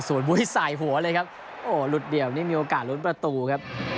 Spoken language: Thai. ส่วนบุ้ยสายหัวเลยครับโอ้หลุดเดี่ยวนี่มีโอกาสลุ้นประตูครับ